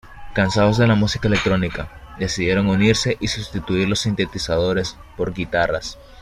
Cansados de la música electrónica, decidieron unirse y sustituir los sintetizadores por guitarras.